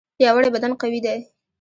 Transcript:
پیاوړی بدن قوي دی.